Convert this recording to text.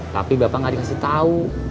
tapi bapak nggak dikasih tahu